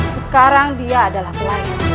sekarang dia adalah pelayan